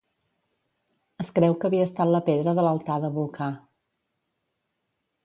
Es creu que havia estat la pedra de l'altar de Vulcà.